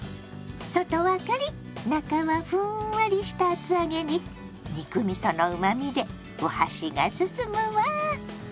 外はカリッ中はふんわりした厚揚げに肉みそのうまみでお箸がすすむわ。